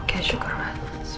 oke syukur allah